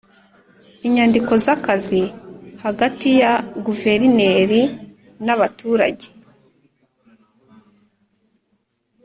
Inyandiko z akazi hagati ya Guverineri na abaturage